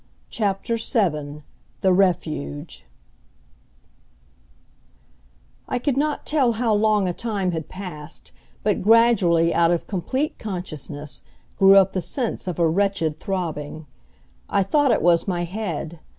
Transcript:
CHAPTER VII THE REFUGE I could not tell how long a time had passed, but gradually out of complete consciousness, grew up the sense of a wretched throbbing. I thought it was my head.